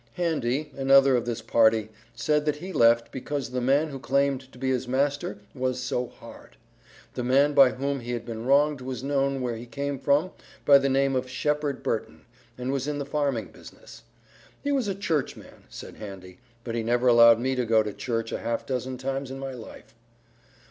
Handy, another of this party, said that he left because the man who claimed to be his master "was so hard." The man by whom he had been wronged was known where he came from by the name of Shepherd Burton, and was in the farming business. "He was a churchman," said Handy, "but he never allowed me to go to church a half dozen times in my life."